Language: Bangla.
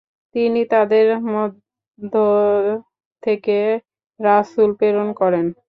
তিনি তাদের মধ্য থেকে রাসূল প্রেরণ করেন।